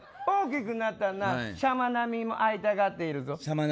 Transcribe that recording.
大きくなったらシャマナミも会いたがっているぞ。